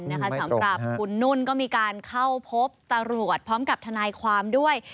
สำหรับคุณนุ่นก็มีการเข้าพบตำรวจพร้อมกับทนายความด้วย